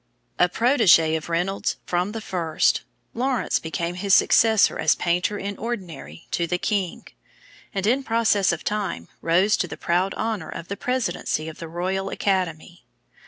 A protégé of Reynolds from the first, Lawrence became his successor as Painter in Ordinary to the King, and in process of time rose to the proud honor of the presidency of the Royal Academy.